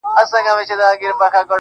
له ده بې زړه نه و، ژونده کمال دي وکړ